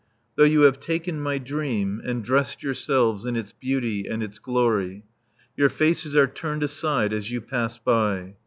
Though you have taken my dream, And dressed yourselves in its beauty and its glory, Your faces are turned aside as you pass by.